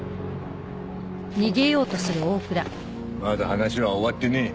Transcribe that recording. まだ話は終わってねえ。